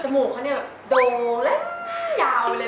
จมูกเขาโดงแล้วหน้ายาวเลย